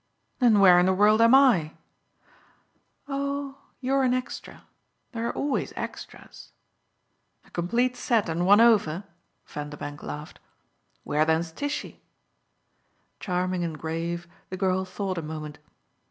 "Then where in the world am I?" "Oh you're an extra. There are always extras." "A complete set and one over?" Vanderbank laughed. "Where then's Tishy?" Charming and grave, the girl thought a moment.